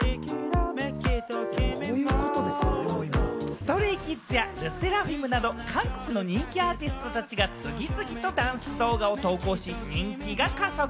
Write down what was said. ＳｔｒａｙＫｉｄｓやＬＥＳＳＥＲＡＦＩＭなど韓国の人気アーティストたちが次々とダンス動画を投稿し、人気が加速。